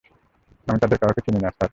আমি তাদের কাউকে চিনি না, স্যার।